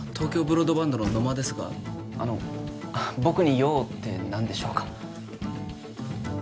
ブロードバンドの野間ですがあの僕に用って何でしょうか？